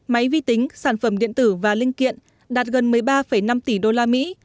máy vi tính sản phẩm điện tử và linh kiện đạt gần một mươi ba năm tỷ đô la mỹ